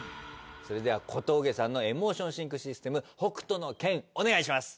それでは小峠さんのエモーションシンクシステム「北斗の拳」お願いします